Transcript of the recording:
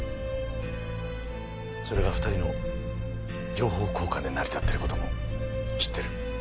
それが２人の情報交換で成り立ってる事も知ってる。